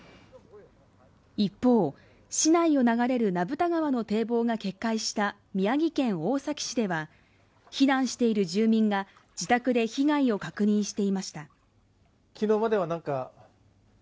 一方、市内を流れる名蓋川の堤防が決壊した宮城県大崎市では避難している住民が自宅で被害を確認していました。